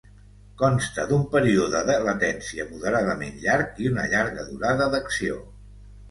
Consta d'un període de latència moderadament llarg i una llarga durada d'acció.